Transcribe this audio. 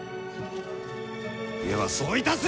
ではそういたす！